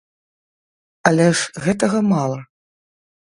Але ж гэтага мала.